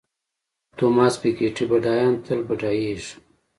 توماس پیکیټي بډایان تل بډایېږي.